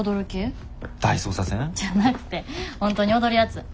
大捜査線？じゃなくて本当に踊るやつ。